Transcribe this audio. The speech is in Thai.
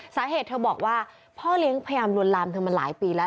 สาเหตุเธอบอกว่าพ่อเลี้ยงพยายามลวนลามเธอมาหลายปีแล้ว